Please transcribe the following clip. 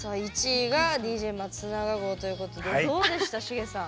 １位がＤＪ松永号ということでどうでした？